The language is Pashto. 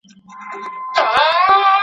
له ګنجي سره را ستون تر خپل دوکان سو!